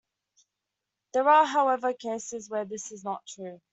There are, however, cases where this is not true.